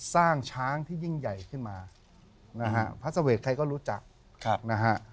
สร้างช้างที่ยิ่งใหญ่ขึ้นมานะฮะพระสเวทใครก็รู้จักนะฮะ